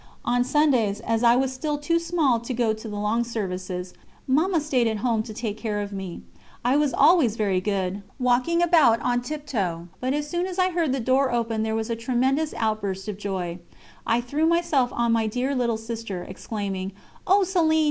On Sundays, as I was still too small to go to the long services, Mamma stayed at home to take care of me. I was always very good, walking about on tip toe; but as soon as I heard the door open there was a tremendous outburst of joy I threw myself on my dear little sister, exclaiming: "Oh, Céline!